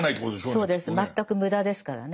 そうです全く無駄ですからね。